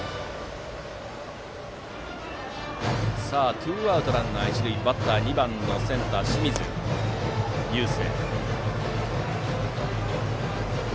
ツーアウトランナー、一塁でバッター、２番のセンター清水友惺。